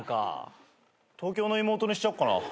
東京の妹にしちゃおっかな。